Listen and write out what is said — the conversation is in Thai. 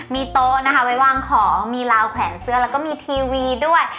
มีโต๊ะนะคะไว้วางของมีราวแขวนเสื้อแล้วก็มีทีวีด้วย